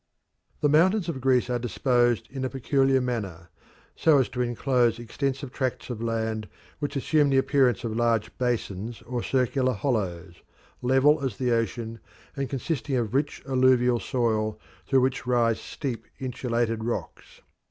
The mountains of Greece are disposed in a peculiar manner, so as to enclose extensive tracts of land which assume the appearance of large basins or circular hollows, level as the ocean and consisting of rich alluvial soil through which rise steep insulated rocks.